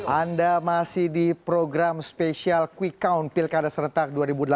anda masih di program spesial quick count pilkada serentak dua ribu delapan belas